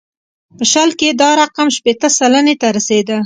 په شل کې دا رقم شپېته سلنې ته رسېده.